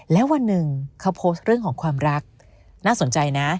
แล้ววันหนึ่งเขาโพสต์เรื่องของความรักน่าสนใจนะ